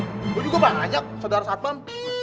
gue juga pak ajak saudara satpam